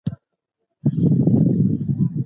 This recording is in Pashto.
که انسان په دين پوه شي، استقامت به پیاوړی شي.